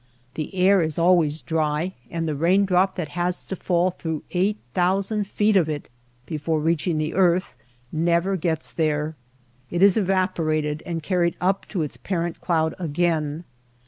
The air is always dry and the rain drop that has to fall through eight thousand feet of it before reaching the earth, never gets there. It is evaporated and carried up to its parent cloud again.